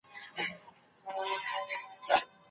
بې ځایه سوي د غونډو جوړولو قانوني اجازه نه لري.